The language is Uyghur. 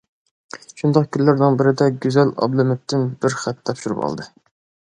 شۇنداق كۈنلەرنىڭ بىرىدە گۈزەل ئابلىمىتتىن بىر خەت تاپشۇرۇپ ئالدى.